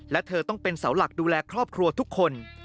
และเธอต้องเป็นเสาหลักดูแลครอบครัวทุกคน